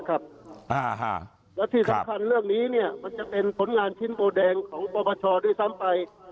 แล้วที่สำคัญเรื่องนี้มันจะเป็นผลงานชิ้นโบแดงของปปชด้วยซ้ำไป